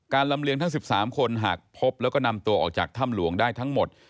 ลำเลียงทั้ง๑๓คนหากพบแล้วก็นำตัวออกจากถ้ำหลวงได้ทั้งหมด